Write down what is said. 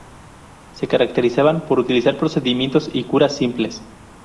Se caracterizaban por utilizar procedimientos y curas simples.